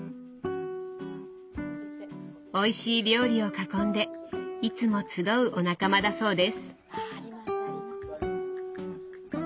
おいしい料理を囲んでいつも集うお仲間だそうです。